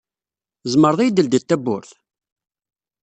Tezmreḍ ad yi-d-teldiḍ tawwurt?